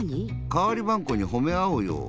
かわりばんこにほめあおうよ。